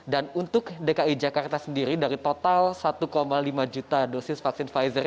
dan untuk dki jakarta sendiri dari total satu lima juta dosis vaksin pfizer